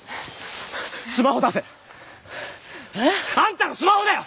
スマホ出せ！え？あんたのスマホだよ！